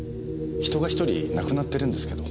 人が１人亡くなってるんですけど。